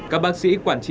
các bác sĩ quản trị